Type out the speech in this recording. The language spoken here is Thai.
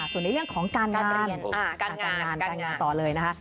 ส่วนในเรื่องของการงานต่อเลยนะฮะ